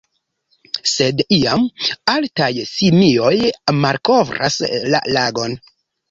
Sed iam, altaj simioj malkovras la lagon.